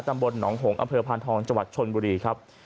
ตำบลหนองหงษ์อำเภอพานทองจังหวัดชนบุรีครับ